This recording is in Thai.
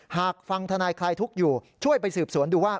หากฟังธนายคลายทุกข์อยู่ช่วยไปสืบสวนดูว่า